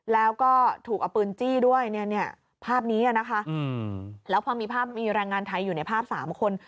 แล้วก็ถูกเอาปืนจี้ด้วยเนี่ยภาพนี้นะคะแล้วพอมีภาพมีแรงงานไทยอยู่ในภาพ๓คน